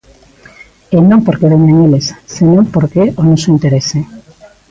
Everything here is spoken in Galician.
E non porque veñan eles, senón porque é o noso interese.